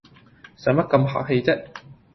使乜咁客氣唧